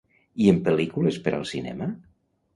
I en pel·lícules per al cinema?